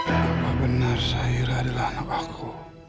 apa benar sahira adalah anak aku